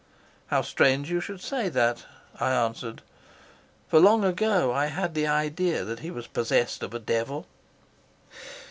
"How strange that you should say that!" I answered. "For long ago I had the idea that he was possessed of a devil."